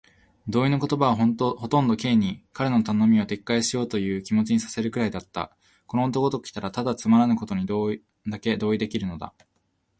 同意の言葉はほとんど Ｋ に、彼の頼みを撤回しようというという気持にさせるくらいだった。この男ときたら、ただつまらぬことにだけ同意できるのだ。